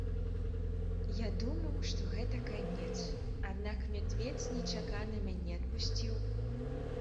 Я думаў, што гэта канец, аднак мядзведзь нечакана мяне адпусціў.